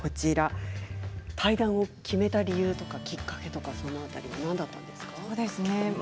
退団を決めた理由とかきっかけは何だったんですか？